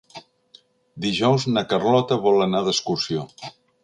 Dijous na Carlota vol anar d'excursió.